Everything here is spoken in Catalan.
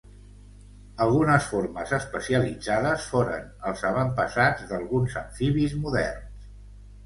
Algunes formes especialitzades foren els avantpassats d'alguns amfibis moderns.